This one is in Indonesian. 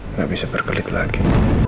nggak bisa berkelit lagi